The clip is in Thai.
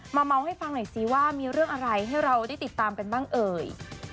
เมาให้ฟังหน่อยสิว่ามีเรื่องอะไรให้เราได้ติดตามกันบ้างเอ่ย